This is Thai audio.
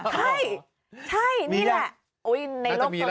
ใช่ใช่นี่แหละน่าจะมีแล้วโอ้ยในโลกโซเชียลอ่ะ